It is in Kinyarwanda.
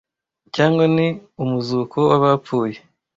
cyangwa ni “Umuzuko w’Abapfuye”